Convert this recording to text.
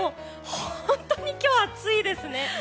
本当に今日、暑いですね。